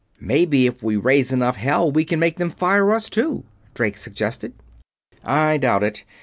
"Maybe, if we raise enough hell, we can make them fire us, too?" Drake suggested. "I doubt it.